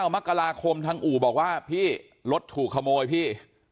มกราคมทางอู่บอกว่าพี่รถถูกขโมยพี่